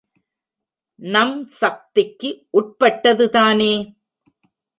நம் சக்திக்கு உட்பட்டது தானே?